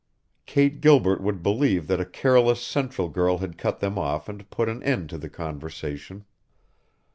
Kate Gilbert would believe that a careless central girl had cut them off and put an end to the conversation.